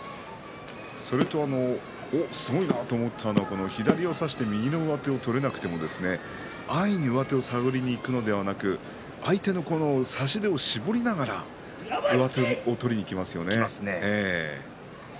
それとすごいなと思ったのは左を差して右の上手を取れなくても安易に上手を探りにいくのではなくて相手の差し手を絞りながら上手を取りにいきますよね。